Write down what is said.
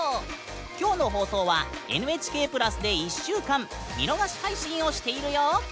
きょうの放送は「ＮＨＫプラス」で１週間見逃し配信をしているよ！